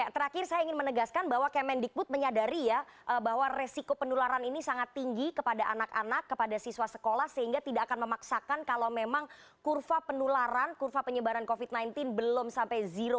terakhir saya ingin menegaskan bahwa kemendikbud menyadari ya bahwa resiko penularan ini sangat tinggi kepada anak anak kepada siswa sekolah sehingga tidak akan memaksakan kalau memang kurva penularan kurva penyebaran covid sembilan belas belum sampai zero